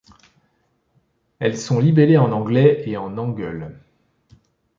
Elles sont libellées en anglais et en hangeul.